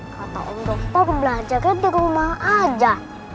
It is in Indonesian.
kata om dokter belajarnya di rumah aja